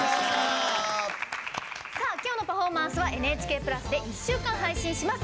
今日のパフォーマンスは「ＮＨＫプラス」で１週間配信します。